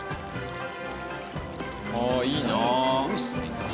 ああいいな。